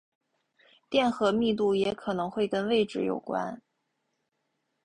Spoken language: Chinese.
电荷密度也可能会跟位置有关。